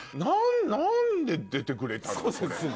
何で出てくれたの？